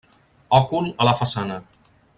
Òcul a la façana.